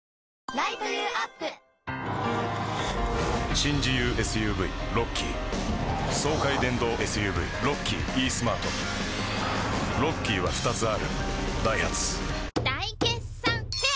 新自由ＳＵＶロッキー爽快電動ＳＵＶロッキーイースマートロッキーは２つあるダイハツ大決算フェア